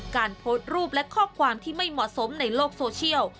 การโพสต์รูปและข้อความที่ไม่เหมาะสมในโลกโซเชียล